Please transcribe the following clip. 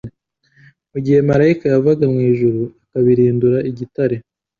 Mu gihe marayika yavaga mu ijuru akabirindura igitare